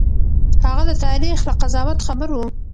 هغه د تاريخ له قضاوت خبر و.